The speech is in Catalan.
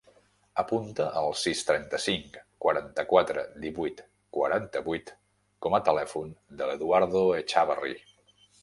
Apunta el sis, trenta-cinc, quaranta-quatre, divuit, quaranta-vuit com a telèfon de l'Eduardo Echavarri.